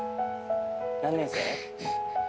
何年生？